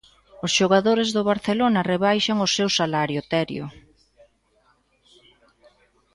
Os xogadores do Barcelona rebaixan o seu salario, Terio.